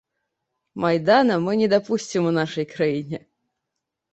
Майдана мы не дапусцім у нашай краіне!